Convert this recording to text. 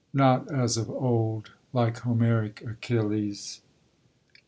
Not as of old, like Homeric Achilles